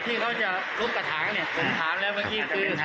ที่เขาจะล้มกระถางเนี่ยผมถามแล้วเมื่อกี้คือ